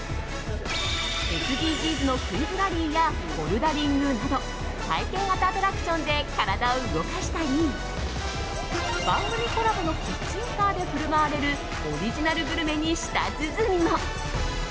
ＳＤＧｓのクイズラリーやボルダリングなど体験型アトラクションで体を動かしたり番組コラボのキッチンカーで振る舞われるオリジナルグルメに舌鼓も。